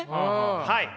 はい。